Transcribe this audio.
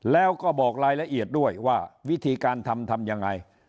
แล้วก็บอกรายละเอียดด้วยว่าวิธีการทำทำยังไง